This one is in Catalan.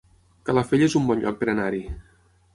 Calafell es un bon lloc per anar-hi